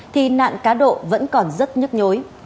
thì nạn cá độ vẫn còn rất nhức nhối